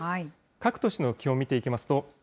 各都市の気温見ていきますと。